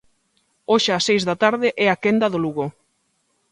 Hoxe ás seis da tarde é a quenda do Lugo.